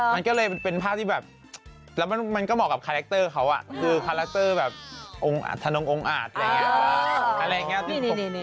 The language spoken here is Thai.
มันก็เลยเป็นภาพที่แบบแล้วมันก็เหมาะกับคาแรคเตอร์เขาคือคาแรคเตอร์แบบองค์อาธนงองค์อาจอะไรอย่างนี้